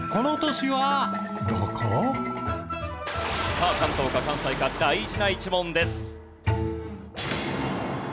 さあ関東か関西か大事な一問です。